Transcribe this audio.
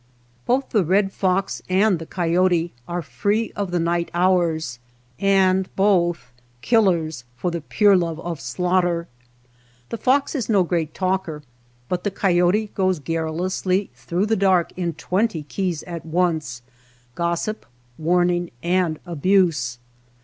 Both the red fox and the coyote are free of the night hours, and both killers for the pure love of slaughter. The fox is no great talker, but the coyote goes garrulously through the dark in twenty keys at once, gossip, warning, and abuse.